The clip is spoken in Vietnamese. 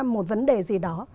một vấn đề gì đó